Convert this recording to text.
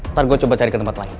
ntar gue coba cari ke tempat lain